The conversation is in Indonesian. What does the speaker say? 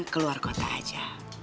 keluar kota aja